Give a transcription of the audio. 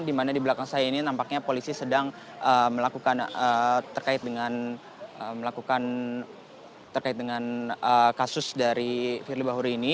di mana di belakang saya ini nampaknya polisi sedang melakukan terkait dengan melakukan terkait dengan kasus dari firly bahuri ini